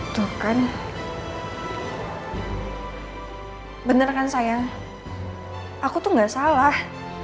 itu kan bener kan sayang aku tuh gak salah